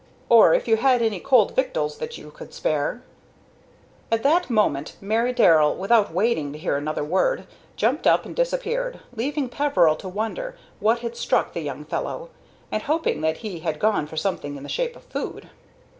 Or if you had any cold victuals that you could spare " At that moment Mary Darrell, without waiting to hear another word, jumped up and disappeared, leaving Peveril to wonder what had struck the young fellow, and hoping that he had gone for something in the shape of food.